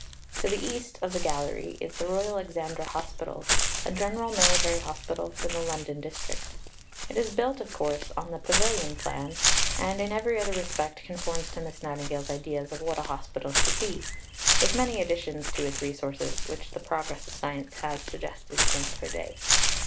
To the east of the Gallery is the Royal Alexandra Hospital, a general military hospital for the London district. It is built, of course, on the "pavilion" plan, and in every other respect conforms to Miss Nightingale's ideas of what a hospital should be with many additions to its resources, which the progress of science has suggested since her day.